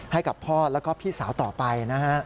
ให้กับพ่อและพี่สาวต่อไป